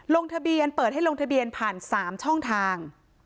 ลงทะเบียนเปิดให้ลงทะเบียนผ่าน๓ช่องทาง